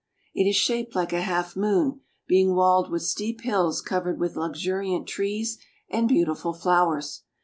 It is shaped like a half moon, being walled with steep hills covered with luxuriant trees and beautiful flowers.